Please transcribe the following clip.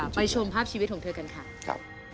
ชมภาพชีวิตของเธอกันค่ะ